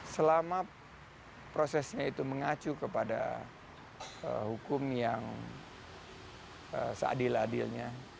selama prosesnya itu mengacu kepada hukum yang seadil adilnya